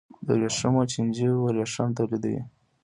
د ورېښمو چینجی ورېښم تولیدوي